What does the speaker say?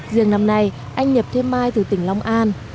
riêng năm nay anh nhập thêm mai từ tỉnh long an